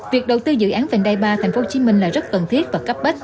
việc đầu tư dự án venday ba tp hcm là rất cần thiết và cấp bách